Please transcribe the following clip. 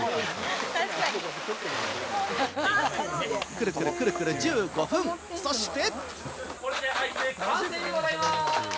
くるくるくるくる１５分、そして。